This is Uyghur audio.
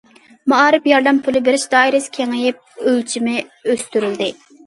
مائارىپ ياردەم پۇلى بېرىش دائىرىسى كېڭىيىپ، ئۆلچىمى ئۆستۈرۈلدى.